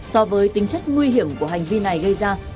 so với tính chất nguy hiểm của hành vi này gây ra